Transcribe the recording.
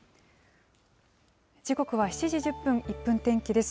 時刻は７時１０分、１分天気です。